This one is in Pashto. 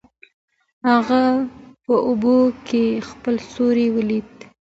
هغه په اوبو کې خپل سیوری ولید.